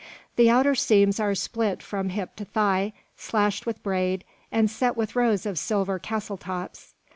The outer seams are split from hip to thigh, slashed with braid, and set with rows of silver "castletops."